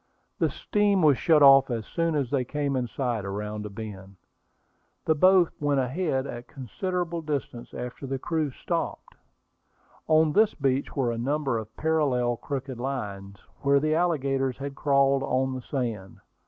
The steam was shut off as soon as they came in sight around a bend. The boat went ahead a considerable distance after the screw stopped. On this beach were a number of parallel crooked lines, where the alligators had crawled on the sand.